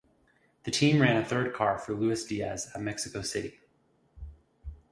The team ran a third car for Luis Diaz at Mexico City.